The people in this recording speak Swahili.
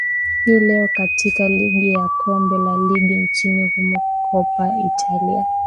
hii leo katika ligi ya kombe la ligi nchini humo kopa italia